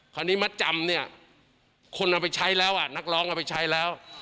คันนี้มัดจำเนี่ยคนเอาไปใช้แล้วอ่ะนักร้องเอาไปใช้แล้ว